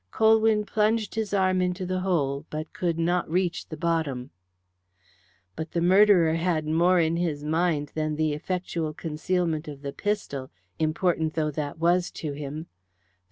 Colwyn plunged his arm into the hole, but could not reach the bottom. But the murderer had more in his mind than the effectual concealment of the pistol, important though that was to him.